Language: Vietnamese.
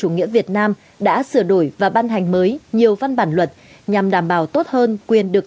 chủ nghĩa việt nam đã sửa đổi và ban hành mới nhiều văn bản luật nhằm đảm bảo tốt hơn quyền được